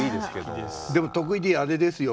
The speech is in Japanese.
でも徳井Ｄあれですよ